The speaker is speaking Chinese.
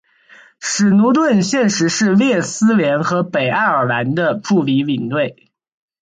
史奴顿现时是列斯联和北爱尔兰的助理领队。